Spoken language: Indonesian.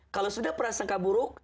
kalau sudah prasangka buruk